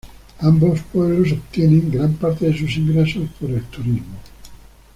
Ambos pueblos obtienen gran parte de sus ingresos por el turismo.